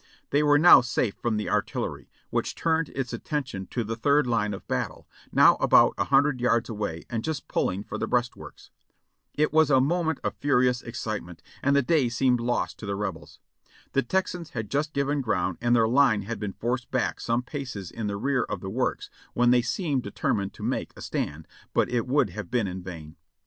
They were now safe from the artillery, which turned its attention to the third line of battle, now about a hundred yards away and just pulling for the breastworks. "It was a moment of furious excitement, and the day seemed lost to the Rebels. The Texans had just given ground and their line had been forced back some paces in the rear of the works, when they seemed determined to make a stand, but it would have been in vain.